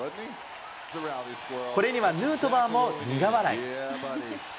これにはヌートバーも苦笑い。